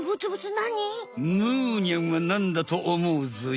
むーにゃんはなんだとおもうぞよ？